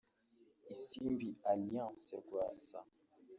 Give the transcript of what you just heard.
Isimbi Aliance (Rwasa)